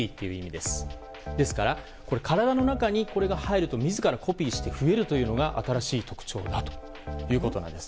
ですから、体の中にこれが入ると自らコピーして増えるというのが新しい特徴だということなんです。